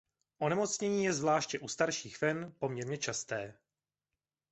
Onemocnění je zvláště u starších fen poměrně časté.